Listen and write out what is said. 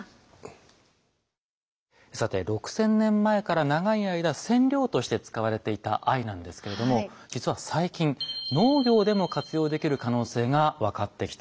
さて６，０００年前から長い間染料として使われていた藍なんですけれども実は最近農業でも活用できる可能性が分かってきたんです。